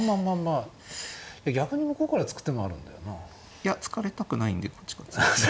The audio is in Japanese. いや突かれたくないんでこっちから突きました。